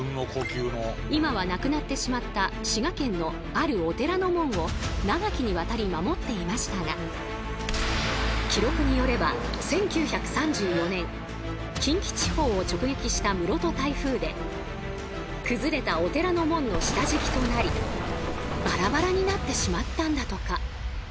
今はなくなってしまった滋賀県のあるお寺の門を長きにわたり守っていましたが記録によれば１９３４年近畿地方を直撃した室戸台風で崩れたお寺の門の下敷きとなりバラバラになってしまったんだとか。